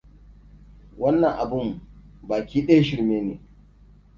Wannan abin baki ɗaya shirme ne.